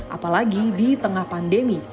apalagi di tengah pandemi